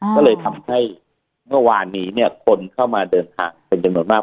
ก็เลยทำให้เมื่อวานนี้คนเข้ามาเดินทางเป็นจำนวนมาก